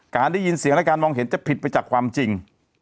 การได้ยินเสียงและการมองเห็นจะผิดไปจากความจริง